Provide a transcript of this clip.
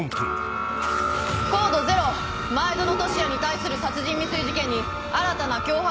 コード０前薗俊哉に対する殺人未遂事件に新たな共犯